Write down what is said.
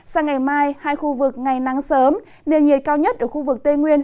sang ngày mai hai khu vực ngày nắng sớm nền nhiệt cao nhất ở khu vực tây nguyên